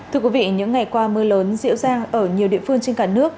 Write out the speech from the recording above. thưa quý vị những ngày qua mưa lớn dịu dàng ở nhiều địa phương trên cả nước